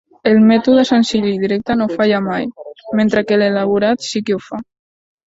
El mètode senzill i directe no falla mai, mentre que l'elaborat sí que ho fa.